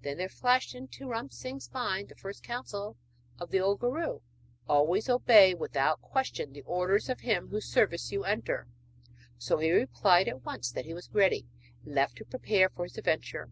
Then there flashed into Ram Singh's mind the first counsel of the old guru 'Always obey without question the orders of him whose service you enter.' So he replied at once that he was ready, and left to prepare for his adventure.